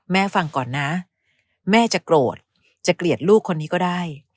ฟังก่อนนะแม่จะโกรธจะเกลียดลูกคนนี้ก็ได้